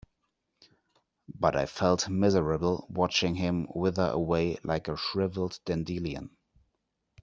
But I felt miserable watching him wither away like a shriveled dandelion.